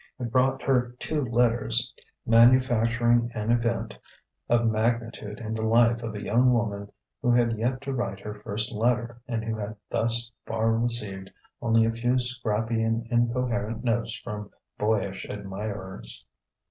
It brought her two letters: manufacturing an event of magnitude in the life of a young woman who had yet to write her first letter and who had thus far received only a few scrappy and incoherent notes from boyish admirers.